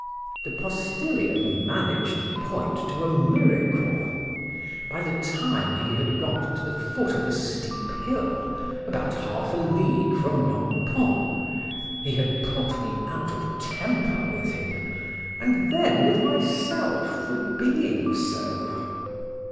The postilion managed the point to a miracle: by the time he had got to the foot of a steep hill, about half a league from Nampont,—he had put me out of temper with him,—and then with myself, for being so.